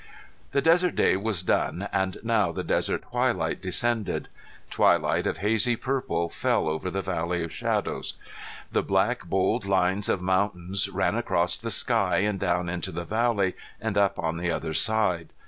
The desert day was done and now the desert twilight descended. Twilight of hazy purple fell over the valley of shadows. The black bold lines of mountains ran across the sky and down into the valley and up on the other side.